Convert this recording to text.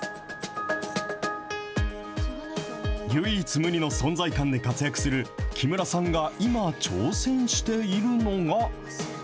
唯一無二の存在感で活躍する木村さんが今、挑戦しているのが。